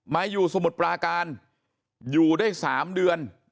มาอยู่สมุทรปราการอยู่ได้๓เดือน